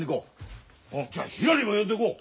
じゃしらりも呼んどこう。